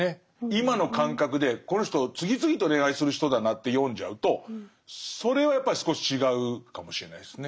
今の感覚でこの人次々と恋愛する人だなって読んじゃうとそれはやっぱり少し違うかもしれないですね。